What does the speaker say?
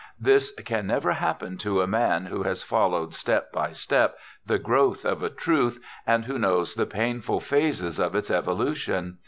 This can never happen to a man who has followed step by step the growth of a truth, and who knows the painful phases of its evolution.